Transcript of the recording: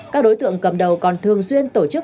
các đối tượng cầm đầu còn thường xuyên tổ chức